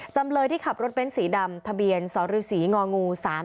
จำเลยที่ขับรถเบนท์สีดำทะเบียนสรษีงง๓๓๓๓